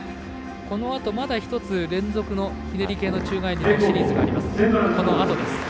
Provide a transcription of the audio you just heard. このあとまだ１つ連続のひねり系の宙返りのシリーズがあります。